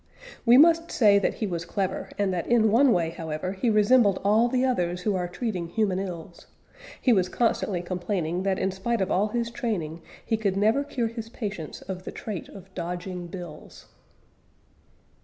We must say that he was clever, and that in one way, however, he resembled all the others who are treating human ills He was constantly complaining that in spite of all his training he could never cure his patients of the trait of dodging bills.